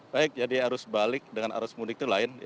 baik jadi arus balik dengan arus mudik itu lain